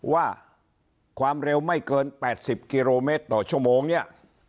ว่าความเร็วไม่เกิน๘๐กิโลเมตรต่อชั่วโมงเนี่ย